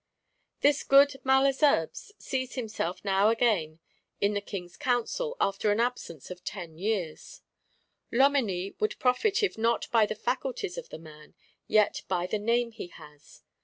' This good Malesherbes sees himself now again in the King's Council, after an absence of ten years: Loménie would profit if not by the faculties of the man, yet by the name he has.